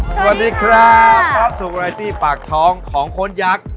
สวัสดีครับพร้อมสุขรายที่ปากท้องของคนยักษ์